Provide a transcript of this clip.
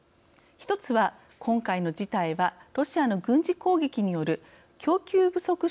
一つは、今回の事態はロシアの軍事攻撃による供給不足